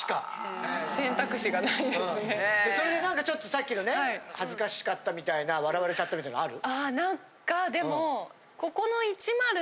それでなんかちょっとさっきのね恥ずかしかったみたいな笑われちゃったみたいなのある？